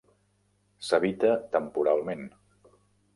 S'habita temporalment.